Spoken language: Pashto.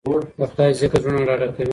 د خدای ذکر زړونه ډاډه کوي